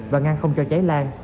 và ngăn không cho cháy lan